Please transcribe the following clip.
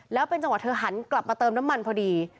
แล้วเป็นจังหวะเธอหันกลับมาเติมน้ำมันพอดี